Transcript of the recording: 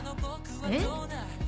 えっ？